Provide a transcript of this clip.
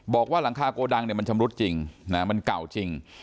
บอกว่าหลังคาโกดังเนี่ยมันชำรุดจริงมันเก่าจริง